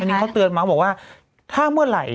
ว่าท่อเตือนมาบอกว่าถ้าเมื่อไร